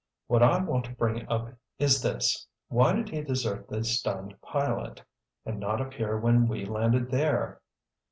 What I want to bring up is this: why did he desert the stunned pilot—and not appear when we landed there?"